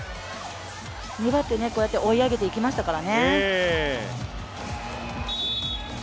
粘って、こうやって追い上げてきましたからね。